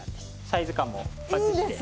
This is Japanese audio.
サイズ感もバッチシで。